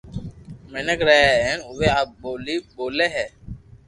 مينک رھي ھي ھين اووي آ ٻولي ٻولي ھي